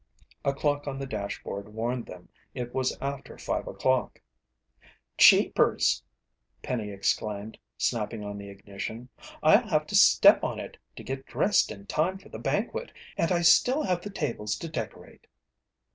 A clock on the dashboard warned them it was after five o'clock. "Jeepers!" Penny exclaimed, snapping on the ignition. "I'll have to step on it to get dressed in time for the banquet! And I still have the tables to decorate!"